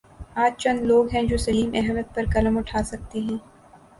آج چند لوگ ہیں جو سلیم احمد پر قلم اٹھا سکتے ہیں۔